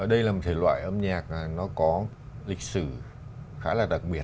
đây là một thể loại âm nhạc nó có lịch sử khá là đặc biệt